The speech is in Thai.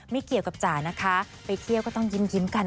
ไม่เกี่ยวกับจ๋านะคะไปเที่ยวก็ต้องยิ้มกัน